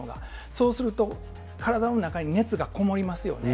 そうすると、体の中に熱がこもりますよね。